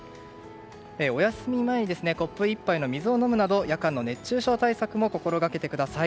おやすみ前にコップ１杯の水を飲むなど夜間の熱中症対策も心がけてください。